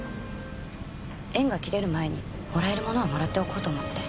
縁が切れる前にもらえるものはもらっておこうと思って。